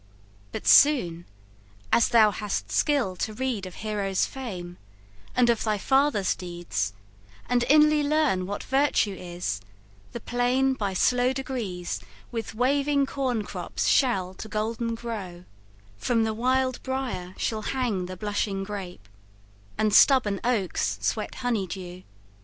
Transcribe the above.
But soon As thou hast skill to read of heroes' fame, And of thy father's deeds, and inly learn What virtue is, the plain by slow degrees With waving corn crops shall to golden grow, From the wild briar shall hang the blushing grape, And stubborn oaks sweat honey dew.